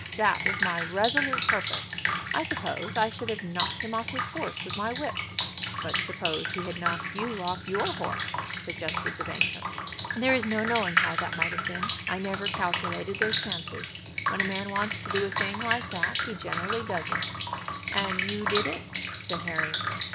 That was my resolute purpose. I suppose I should have knocked him off his horse with my whip." "But suppose he had knocked you off your horse?" suggested the banker. "There is no knowing how that might have been. I never calculated those chances. When a man wants to do a thing like that he generally does it." "And you did it?" said Harry.